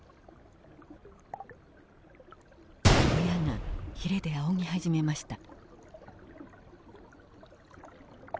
親がヒレであおぎ始めました。